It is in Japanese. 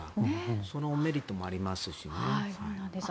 そのメリットもありますしね。